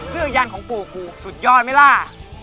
เสื้อยันของปู่กูสุดยอดไหมล่ะ